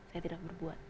saya tidak berbuat